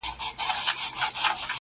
په حيرت وکړه قاضي ترېنه پوښتنه؛